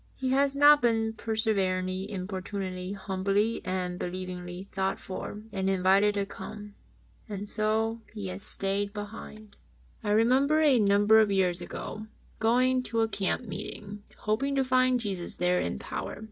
He has not been perseveringly, importunately, humbly and be lievingly sought for and invited to come, and so He has stayed behind. io8 HEART TALKS ON HOLINESS. I remember a number of years ago going to a camp meeting hoping to find Jesus there in power.